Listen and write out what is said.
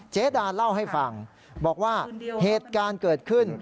เจดาเล่าให้ฟังบอกว่าเหตุการณ์เกิดขึ้น